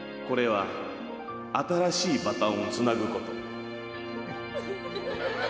これは新しいバトンをつなぐこと。